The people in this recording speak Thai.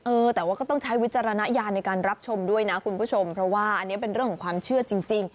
เออแต่ว่าก็ต้องใช้วิจารณญาณในการรับชมด้วยนะคุณผู้ชมเพราะว่าอันนี้เป็นเรื่องของความเชื่อจริง